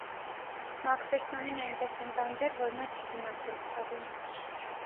Մաքֆերսոնին այնպես են տանջել, որ նա չի դիմացել ցավին։